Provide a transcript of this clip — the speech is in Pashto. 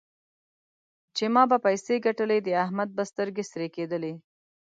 چې ما به پيسې ګټلې؛ د احمد به سترګې سرې کېدې.